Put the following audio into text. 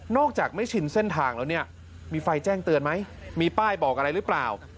จากไม่ชินเส้นทางแล้วเนี่ยมีไฟแจ้งเตือนไหมมีป้ายบอกอะไรหรือเปล่า